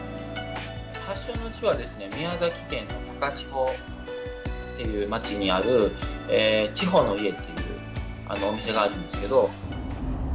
発祥の地は宮崎県の高千穂っていう町にある、千穂の家っていうお店があるんですけど。